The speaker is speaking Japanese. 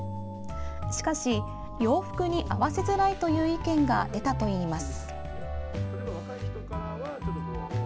しかし、洋服に合わせづらいという意見が出たといいます。